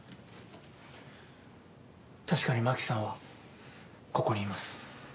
確かに真紀さんはここにいます。